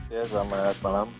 ya selamat malam